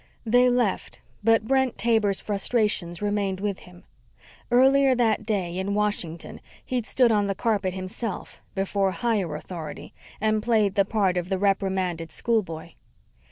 They left, but Brent Taber's frustrations remained with him. Earlier that day, in Washington, he'd stood on the carpet himself, before higher authority, and played the part of the reprimanded schoolboy.